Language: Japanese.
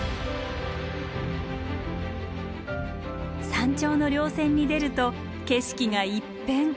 山頂の稜線に出ると景色が一変。